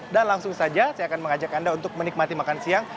dan langsung saja saya akan mengajak anda untuk menikmati makan siang